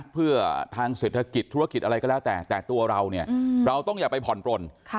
เพื่อทางเศรษฐกิจธุรกิจอะไรก็แล้วแต่แต่ตัวเราเนี่ยเราต้องอย่าไปผ่อนปลน